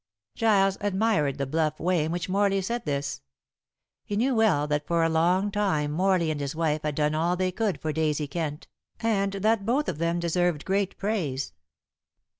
Giles admired the bluff way in which Morley said this. He knew well that for a long time Morley and his wife had done all they could for Daisy Kent, and that both of them deserved great praise.